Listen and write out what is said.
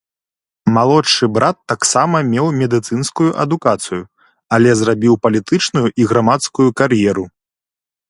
Малодшы брат таксама меў медыцынскую адукацыю, але зрабіў палітычную і грамадскую кар'еру.